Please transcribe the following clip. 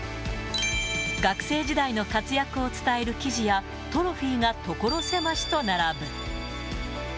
学生時代の活躍を伝える記事や、トロフィーが、所狭しと並ぶ。